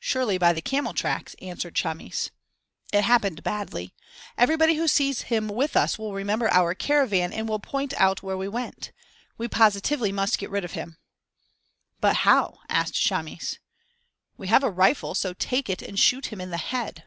"Surely by the camel tracks," answered Chamis. "It happened badly. Everybody who sees him with us will remember our caravan and will point out where we went. We positively must get rid of him." "But how?" asked Chamis. "We have a rifle, so take it and shoot him in the head."